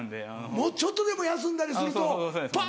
もうちょっとでも休んだりするとパン！